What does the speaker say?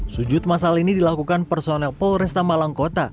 sujud masal ini dilakukan personel polresta malangkota